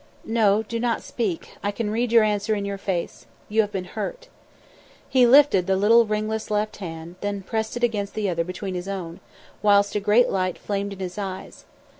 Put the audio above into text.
No, do not speak, I can read your answer in your face. You have been hurt." He lifted the little ringless left hand, then pressed it against the other between his own, whilst a great light flamed in his eyes.